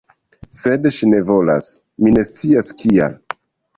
Sed ŝi ne volas; mi ne scias kial